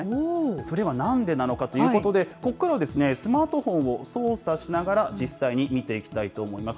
それはなんでなのかということで、ここからはスマートフォンを操作しながら、実際に見ていきたいと思います。